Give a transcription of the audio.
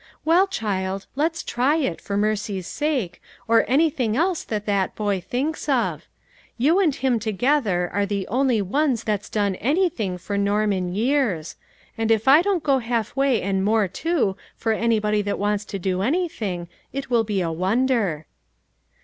Well, child, let's try it, for mercy's sake, or any thing else that that boy thinks of. You and him together are the only ones that's done any think ing for Norm in years ; and if I don't go half way and more too for anybody that wants to do anything, it will be a wonder."